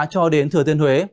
cho đến thừa tiên huế